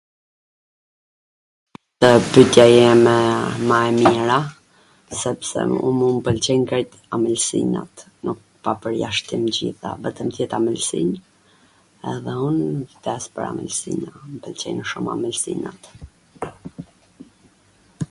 Pytja jeme ma e mira, sepse mu m pwlqejn krejt ambwlsinat, nuk, pa pwrjashtim t gjitha, vetwm t jet ambwlsin edhe un vdes pwr ambwlsina, m pwlqejn shum ambwlsinat.